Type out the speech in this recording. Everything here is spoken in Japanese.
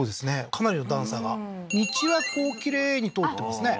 かなりの段差が道はこうきれいに通ってますね